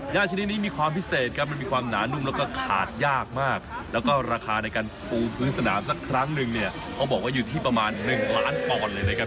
ชนิดนี้มีความพิเศษครับมันมีความหนานุ่มแล้วก็ขาดยากมากแล้วก็ราคาในการปูพื้นสนามสักครั้งหนึ่งเนี่ยเขาบอกว่าอยู่ที่ประมาณ๑ล้านปอนด์เลยนะครับ